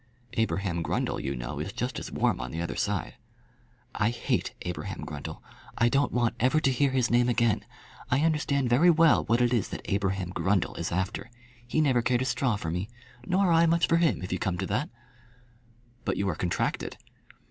"Abraham Grundle, you know, is just as warm on the other side." "I hate Abraham Grundle. I don't want ever to hear his name again. I understand very well what it is that Abraham Grundle is after. He never cared a straw for me; nor I much for him, if you come to that." "But you are contracted."